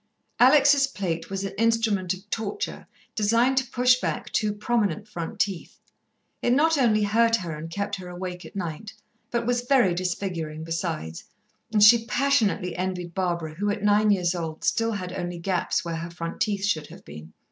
Alex's plate was an instrument of torture designed to push back two prominent front teeth. It not only hurt her and kept her awake at night, but was very disfiguring besides, and she passionately envied Barbara, who at nine years old still had only gaps where her front teeth should have been.